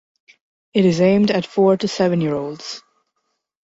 It is aimed at four to seven year olds.